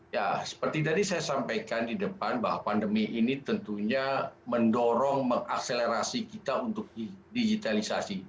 ya seperti tadi saya sampaikan di depan bahwa pandemi ini tentunya mendorong mengakselerasi kita untuk digitalisasi